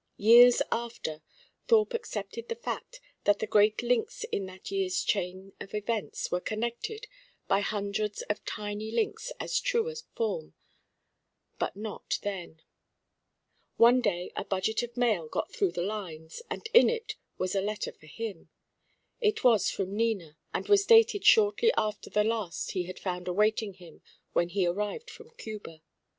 Years after, Thorpe accepted the fact that the great links in that year's chain of events were connected by hundreds of tiny links as true of form; but not then. One day a budget of mail got through the lines, and in it was a letter for him. It was from Nina, and was dated shortly after the last he had found awaiting him when he arrived from Cuba.